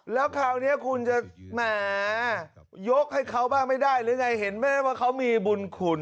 แล้วคราวนี้คุณจะแหมยกให้เขาบ้างไม่ได้หรือไงเห็นไหมว่าเขามีบุญคุณ